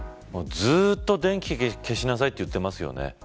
ずっと電気消しなさいと言ってますよね。